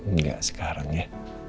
enggak sekarang ya